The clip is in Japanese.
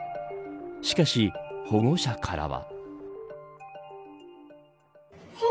しかし、保護者からは。